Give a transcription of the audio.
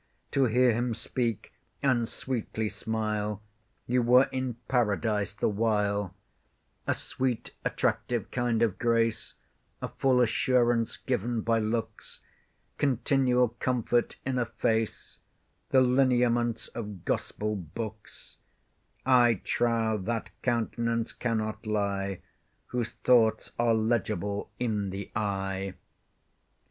To hear him speak, and sweetly smile, You were in Paradise the while, A sweet attractive kind of grace; A full assurance given by looks; Continual comfort in a face, The lineaments of Gospel books— I trow that count'nance cannot lye, Whose thoughts are legible in the eye.